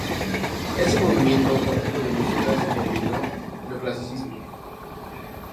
Ese movimiento o tipo de música se denominó "neoclasicismo".